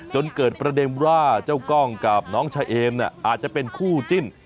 จนเกิดประเด็นว่าเจ้ากล้องกับน้องชะเอมอาจจะเป็นคู่จิ้น